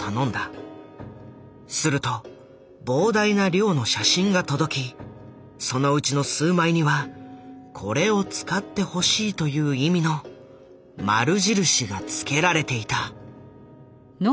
すると膨大な量の写真が届きそのうちの数枚には「これを使ってほしい」という意味の丸印がつけられていた。